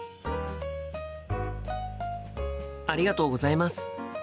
ありがとうございます。